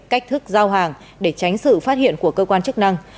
cách thức giao hàng để tránh sự phát hiện của cơ quan chức năng